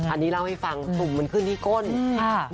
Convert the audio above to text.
อันนี้เล่าให้ฟังถุงมันขึ้นที่เนื้อก้น